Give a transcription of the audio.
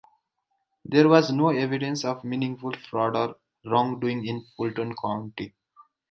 There was no evidence of meaningful fraud or wrongdoing in Fulton County.